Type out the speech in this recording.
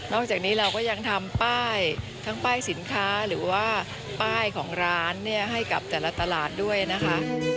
จากนี้เราก็ยังทำป้ายทั้งป้ายสินค้าหรือว่าป้ายของร้านให้กับแต่ละตลาดด้วยนะคะ